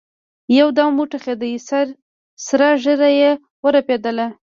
يودم وټوخېد سره ږيره يې ورپېدله.